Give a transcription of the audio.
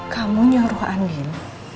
kamu nyuruh andin